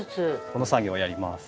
この作業をやります。